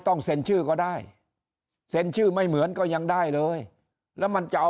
ต้องเซ็นชื่อก็ได้เซ็นชื่อไม่เหมือนก็ยังได้เลยแล้วมันจะเอา